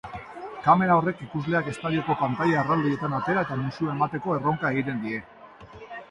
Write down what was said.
Kamera horrek ikusleak estadioko pantaila erraldoietan atera eta musu emateko erronka egiten die.